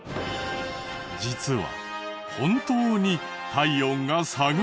実は本当に体温が下がるらしい。